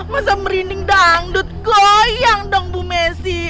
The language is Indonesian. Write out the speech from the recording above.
masa merinding dangdut layang dong bu messi